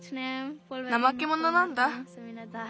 なまけものなんだ。